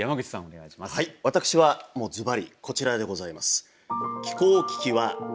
私はもうずばりこちらでございます。